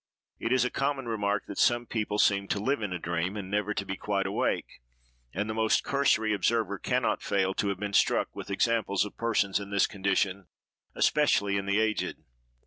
It is a common remark, that some people seem to live in a dream, and never to be quite awake; and the most cursory observer can not fail to have been struck with examples of persons in this condition, especially in the aged.